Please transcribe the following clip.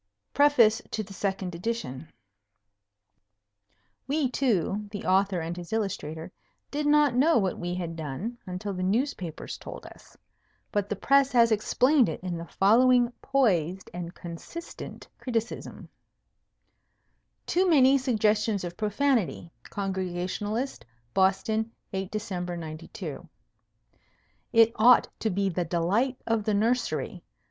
PREFACE TO THE SECOND EDITION We two the author and his illustrator did not know what we had done until the newspapers told us. But the press has explained it in the following poised and consistent criticism: "Too many suggestions of profanity." Congregationalist, Boston, 8 Dec. '92. "It ought to be the delight of the nursery."